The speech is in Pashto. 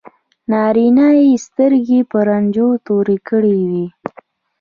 نارینه یې سترګې په رنجو تورې کړې وي.